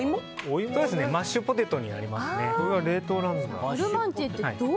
マッシュポテトになります。